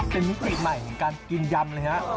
เป็นมิติใหม่ของการกินยำเลยฮะ